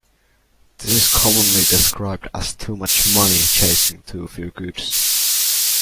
This is commonly described as "too much money chasing too few goods".